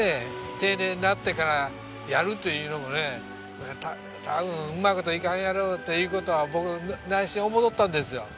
定年になってからやるというのもね多分うまい事いかんやろうっていう事は僕内心思っとったんですよ。